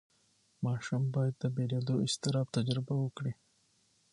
ماشوم باید د بېلېدو اضطراب تجربه وکړي.